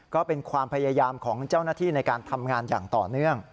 ก็เป็นความพยายามของเจ้าหน้าที่ในการทำงานอย่างต่อเนื่อง